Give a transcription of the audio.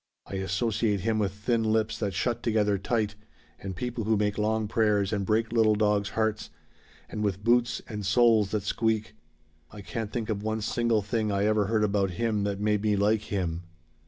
I associate Him with thin lips that shut together tight and people who make long prayers and break little dogs' hearts and with boots and souls that squeak. I can't think of one single thing I ever heard about Him that made me like Him."